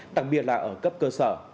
tặc biệt là ở cấp cơ sở